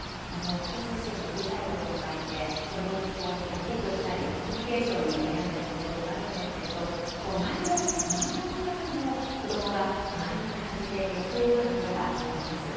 私自身も小さい子どもがいて、子どもの質問にどきっとしたり、コミュニケーションに悩んだりすることがあるんですけれど、周りのママ友からも、子どもが不安に感じているというような声が聞かれます。